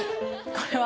これは。